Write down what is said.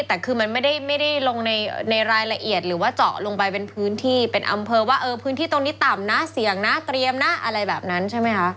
แต่คือมันไม่ได้ลงในรายละเอียดหรือว่าเจาะลงไปเป็นพื้นที่เป็นอำเภอว่าพื้นที่ตรงนี้ต่ำนะเสี่ยงนะเตรียมนะอะไรแบบนั้นใช่ไหมคะ